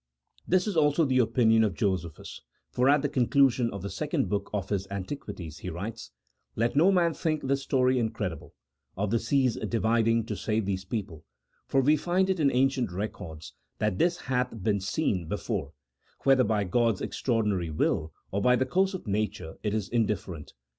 This is also the opinion of Josephus, for at the conclusion of the second book of his " Antiquities," he writes :" Let no man think this story incredible of the sea's dividing to save these people, for we find it in ancient records that this hath been seen before, whether by God's extraordinary will or by the course of nature it is indifferent.